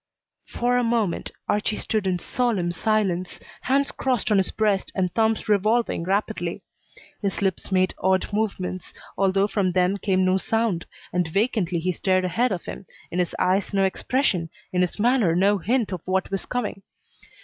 For a moment Archie stood in solemn silence, hands crossed on his breast and thumbs revolving rapidly. His lips made odd movements, although from them came no sound, and vacantly he stared ahead of him, in his eyes no expression, in his manner no hint of what was coming.